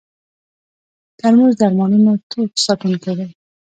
ترموز د ارمانونو تود ساتونکی دی.